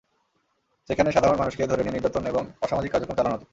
সেখানে সাধারণ মানুষকে ধরে নিয়ে নির্যাতন এবং অসামাজিক কার্যক্রম চালানো হতো।